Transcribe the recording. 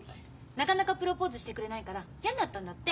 なかなかプロポーズしてくれないから嫌になったんだって。